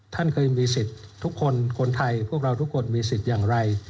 ท่านเคยมีสิทธิ์ทุกคนคนไทยพวกเราทุกคนมีสิทธิ์อย่างไร